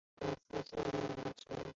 叔父瞿兑之。